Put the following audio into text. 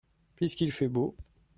puisqu'il fait beau.